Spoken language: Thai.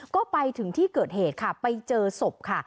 ก็ไปถึงที่เกิดเหตุค่ะไปเจอศพค่ะ